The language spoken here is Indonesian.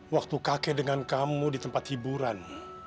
waktu kakek dengan kamu di tempat hiburan